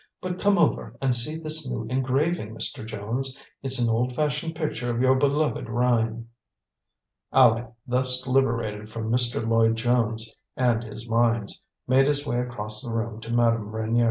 But come over and see this new engraving, Mr. Jones; it's an old fashioned picture of your beloved Rhine." Aleck, thus liberated from Mr. Lloyd Jones and his mines, made his way across the room to Madame Reynier.